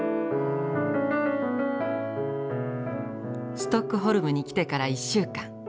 ストックホルムに来てから１週間。